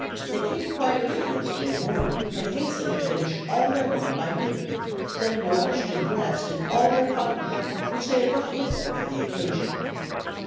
They came quite early yesterday morning and hastened to finish all their work by noon; then washed and dressed in all their finery, which they had brought with them for the occasion.